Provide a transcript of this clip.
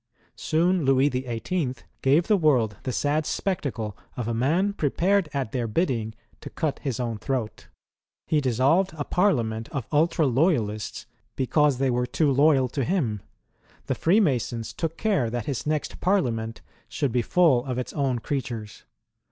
Soon, Louis XVIIL gave the world the sad spectacle of a man prepared at their bidding to cut his own throat. He dissolved a Parliament of ultra loyalists because they were too loyal to him. The Freemasons took care that his next Parliament should be full of its own creatures.